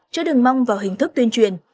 chứ đừng mong vào hình thức tuyên truyền